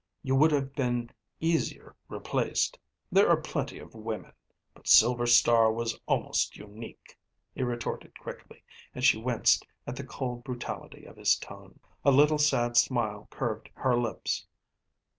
You would have been easier replaced. There are plenty of women, but Silver Star was almost unique," he retorted quickly, and she winced at the cold brutality of his tone. A little sad smile curved her lips.